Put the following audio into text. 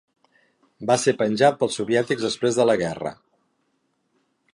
Va ser penjat pels soviètics després de la guerra.